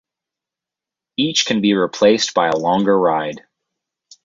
Each can be replaced by a longer ride.